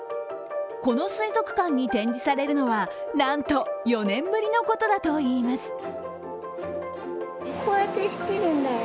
この水族館に展示されるのは、なんと４年ぶりのことだといいます。